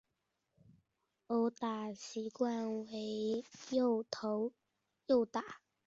投打习惯为右投右打。